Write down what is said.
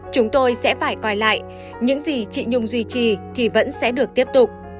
chúng tôi sẽ phải coi lại những gì chị nhung duy trì thì vẫn sẽ được tiếp tục